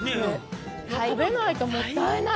食べないともったいない。